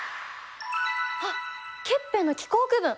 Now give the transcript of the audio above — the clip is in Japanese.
あっケッペンの気候区分。